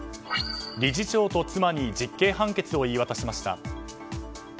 理事長と妻に実刑判決を言い渡しました。